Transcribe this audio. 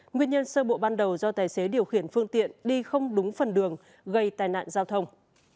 nguyên nhân sơ bộ ban đầu do tài xế điều khiển phương tiện đi không đúng phần đường gây tai nạn giao thông